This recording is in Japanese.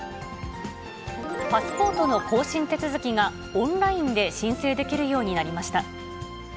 パスポートの更新手続きが、オンラインで申請できるようになりました。